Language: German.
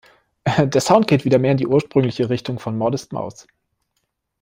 Der Sound geht wieder mehr in die ursprüngliche Richtung von "Modest Mouse".